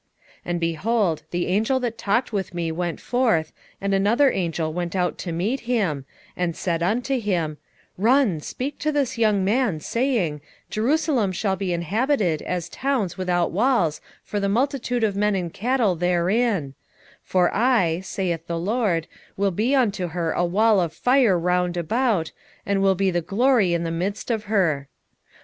2:3 And, behold, the angel that talked with me went forth, and another angel went out to meet him, 2:4 And said unto him, Run, speak to this young man, saying, Jerusalem shall be inhabited as towns without walls for the multitude of men and cattle therein: 2:5 For I, saith the LORD, will be unto her a wall of fire round about, and will be the glory in the midst of her.